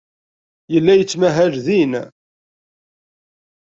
Yella yettmahal din.